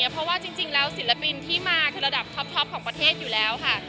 เพราะว่าจริงแล้วศิลปินที่มาคือระดับท็อปของประเทศอยู่แล้วค่ะ